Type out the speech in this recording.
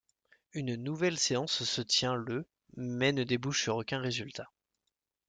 Une nouvelle séance se tient le mais ne débouche sur aucun résultat.